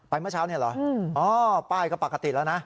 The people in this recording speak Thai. เมื่อเช้าเนี่ยเหรออ๋อป้ายก็ปกติแล้วนะ